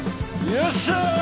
よっしゃー！